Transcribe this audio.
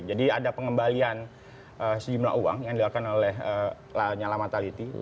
jadi ada pengembalian sejumlah uang yang dilakukan oleh lanyala mataliti